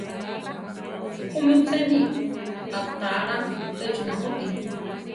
¿Kúmi cheni aʼtalá échi namúti?